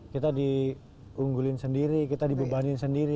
kita diunggulin sendiri kita dibebanin sendiri